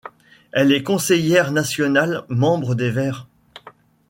Elle est conseillère nationale, membre des Verts.